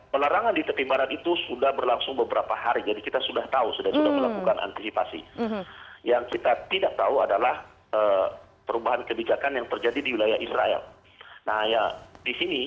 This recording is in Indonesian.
pelarangan di tepi barat itu sudah berlangsung beberapa hari jadi kita sudah tahu sudah melakukan antisipasi